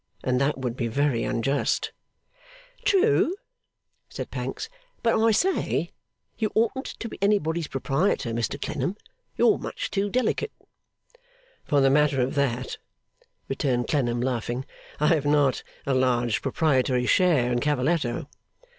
And that would be very unjust.' 'True,' said Pancks. 'But, I say! You oughtn't to be anybody's proprietor, Mr Clennam. You're much too delicate.' 'For the matter of that,' returned Clennam laughing, 'I have not a large proprietary share in Cavalletto.